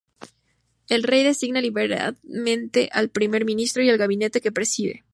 El Rey designa libremente al Primer Ministro y el gabinete, que preside.